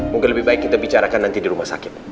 mungkin lebih baik kita bicarakan nanti di rumah sakit